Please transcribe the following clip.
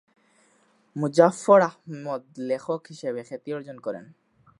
মুজাফফর আহমদ লেখক হিসেবে খ্যাতি অর্জন করেন।